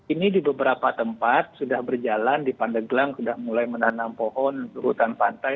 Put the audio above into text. ini di beberapa tempat sudah berjalan di pandeglang sudah mulai menanam pohon hutan pantai